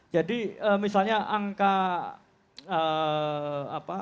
jadi misalnya angka